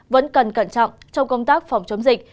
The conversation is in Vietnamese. vẫn cần cẩn trọng trong công tác phòng chống dịch